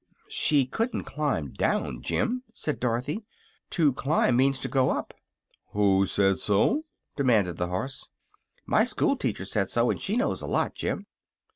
"She couldn't climb down, Jim," said Dorothy. "To climb means to go up." "Who said so?" demanded the horse. "My school teacher said so; and she knows a lot, Jim."